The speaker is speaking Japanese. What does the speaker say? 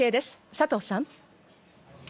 佐藤さん。